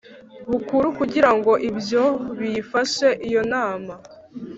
Bukuru kugira ngo ibyo biyifashe iyo nama